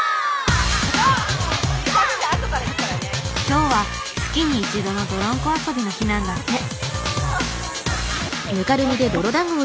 今日は月に一度のどろんこ遊びの日なんだって。